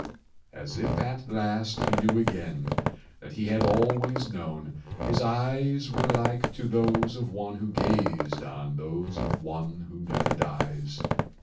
As if at last he knew again That he had always known, his eyes Were like to those of one who gazed On those of One who never dies.